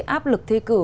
cái áp lực thi cử